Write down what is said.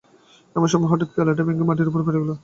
এমন সময় হঠাৎ পেয়ালাটা ভেঙে মাটির উপর পড়ে গেল।